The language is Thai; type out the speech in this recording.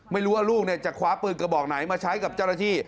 ไม่รู้ว่าลูกจะคว้าปืนกระบอกไหนมาใช้กับเจ้าหน้าที่